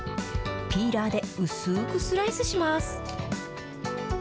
ピーラーでうすーくスライスします。